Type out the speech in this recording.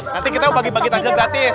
nanti kita membagi bagi takjil gratis